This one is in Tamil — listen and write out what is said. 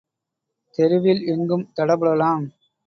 தெருவில் எங்கும் தடபுடலாம்.